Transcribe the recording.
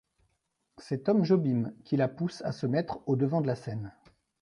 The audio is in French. C’est Tom Jobim qui la pousse à se mettre au devant de la scène.